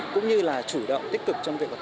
cũng như là chủ động tích cực trong việc học tập